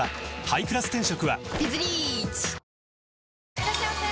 いらっしゃいませ！